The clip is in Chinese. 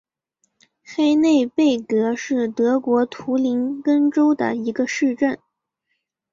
黑内贝格是德国图林根州的一个市镇。